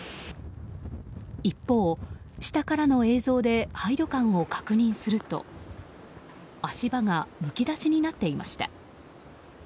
一方、下からの映像で廃旅館を確認すると足場がむき出しになっていました。